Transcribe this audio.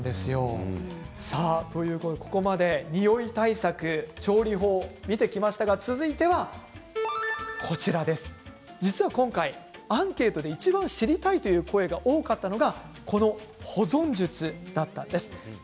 ここまでにおい対策調理法を見てきましたが続いては実は今回、アンケートでいちばん知りたいという声が多かったのが保存術です。